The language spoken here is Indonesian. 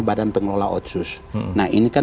badan pengelola otsus nah ini kan